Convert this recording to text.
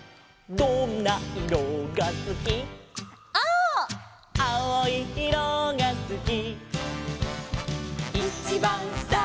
「どんないろがすき」「」「ピンクいろがすき」